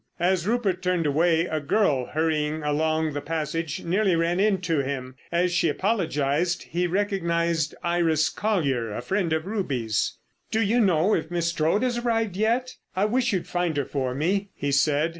As Rupert turned away a girl hurrying along the passage nearly ran into him. As she apologised he recognised Iris Colyer, a friend of Ruby's. "Do you know if Miss Strode has arrived yet? I wish you'd find her for me," he said.